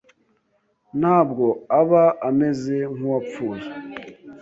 ntabwo aba ameze nk’uwapfuye